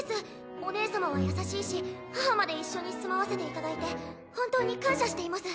お姉様は優しいし母まで一緒に住まわせていただいて本当に感謝しています。